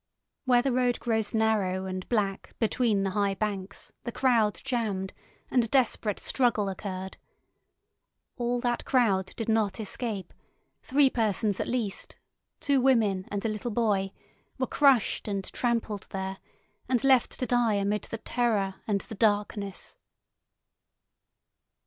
Where the road grows narrow and black between the high banks the crowd jammed, and a desperate struggle occurred. All that crowd did not escape; three persons at least, two women and a little boy, were crushed and trampled there, and left to die amid the terror and the darkness.